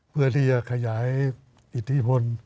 เพื่อที่จะขยายอิทธิพล